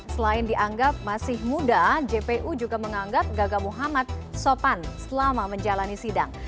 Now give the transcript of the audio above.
selain dianggap masih muda jpu juga menganggap gaga muhammad sopan selama menjalani sidang